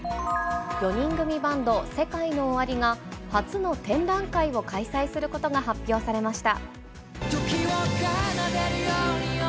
４人組バンド、セカイノオワリが、初の展覧会を開催することが発表されました。